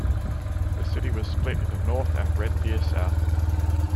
The city was split into North and Red Deer-South.